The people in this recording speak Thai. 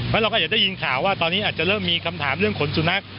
เพราะเราก็อยากได้ยินข่าวว่าตอนนี้อาจจะเริ่มมีคำถามเรื่องขนสุนัข